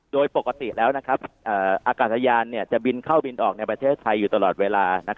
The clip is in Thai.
โดยปกติแล้วอากาศยานจะบินเข้าบินออกในประเทศไทยอยู่ตลอดเวลา